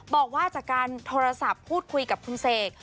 บอกว่าจากการโทรศัพท์พูดคุยกับคุณเสก